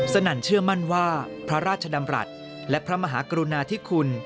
นั่นเชื่อมั่นว่าพระราชดำรัฐและพระมหากรุณาธิคุณ